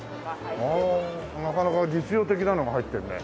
ほうなかなか実用的なのが入ってるね。